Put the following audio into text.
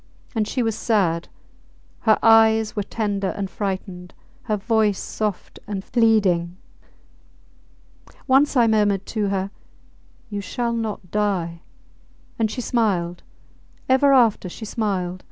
And she was sad! Her eyes were tender and frightened; her voice soft and pleading. Once I murmured to her, You shall not die, and she smiled ... ever after she smiled!